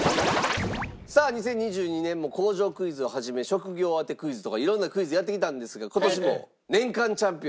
さあ２０２２年も工場クイズを始め職業当てクイズとか色んなクイズやってきたんですが。